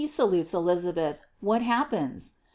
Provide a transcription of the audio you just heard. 755 salutes Elizabeth, what happens?